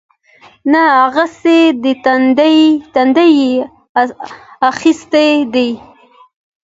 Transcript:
نه هغسې د تندې احساس کېږي.